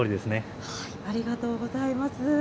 ありがとうございます。